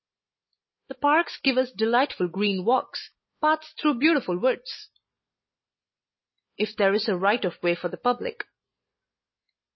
"The parks give us delightful green walks, paths through beautiful woods." "If there is a right of way for the public."